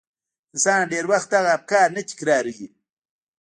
انسان ډېر وخت دغه افکار نه تکراروي.